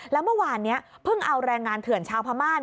แล้วเมื่อวานนี้เพิ่งเอาแรงงานเถื่อนชาวพม่า